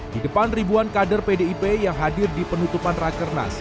di depan ribuan kader pdip yang hadir di penutupan rakernas